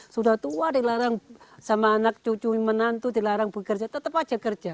sudah tua dilarang sama anak cucu menantu dilarang bekerja tetap saja kerja